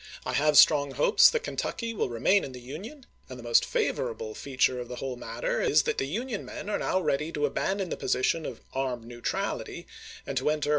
I have strong hopes that Kentucky will remain in the Union, and the most favorable feature of the whole matter is that the Union men are now ready to 'vof i^"' ^^^^^^" ^^16 position of " armed neutrality," and to enter 236'.'